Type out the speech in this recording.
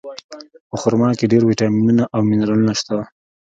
په خرما کې ډېر ویټامینونه او منرالونه شته.